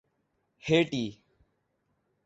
Haiti